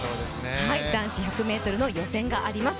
男子１００ｍの予選があります。